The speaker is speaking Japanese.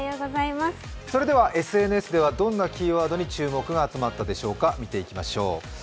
ＳＮＳではどんなキーワードに注目が集まったでしょうか、見ていきましょう。